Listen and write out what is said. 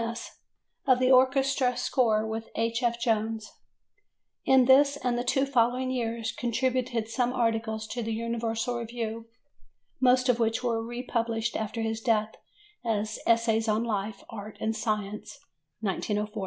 MS. of the orchestral score with H. F. Jones. In this and the two following years contributed some articles to the Universal Review, most of which were republished after his death as Essays on Life, Art, and Science (1904).